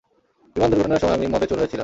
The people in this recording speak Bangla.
বিমান দূর্ঘটনার সময় আমি মদে চুর হয়ে ছিলাম।